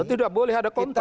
tidak boleh ada kontras